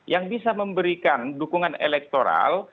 yang bisa memberikan dukungan elektoral